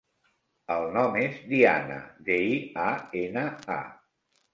El nom és Diana: de, i, a, ena, a.